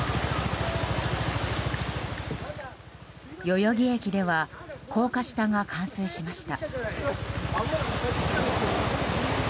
代々木駅では高架下が冠水しました。